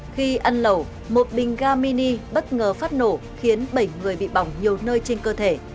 khi ăn lẩu một bình ga mini bất ngờ phát nổ khiến bảy người bị bỏng nhiều nơi trên cơ thể